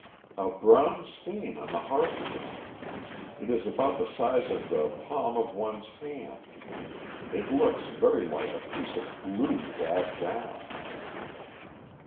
"A bronze stain on the hearthstone. It is about the size of the palm of one's hand. It looks very like a piece of glue dabbed down."